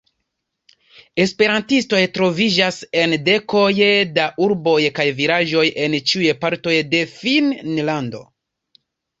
Esperantistoj troviĝas en dekoj da urboj kaj vilaĝoj en ĉiuj partoj de Finnlando.